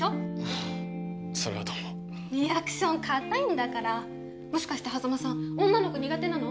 あそれはどうもリアクションかたいんだからもしかして波佐間さん女の子苦手なの？